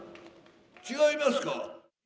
違いますか？